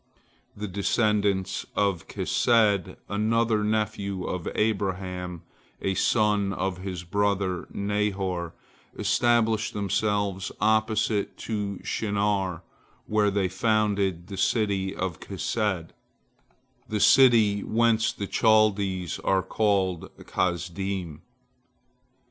The descendants of Kesed, another nephew of Abraham, a son of his brother Nahor, established themselves opposite to Shinar, where they founded the city of Kesed, the city whence the Chaldees are called Kasdim.